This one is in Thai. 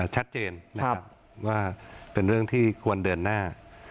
ชัดเจนว่าเป็นเรื่องที่ควรเดือนหน้า